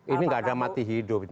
ini nggak ada mati hidup